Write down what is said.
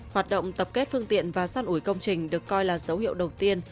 hoạt động tập kết phương tiện và săn ủi công trình được coi là dấu hiệu đầu tiên